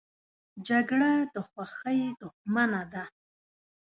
جګړه د خوښۍ دښمنه ده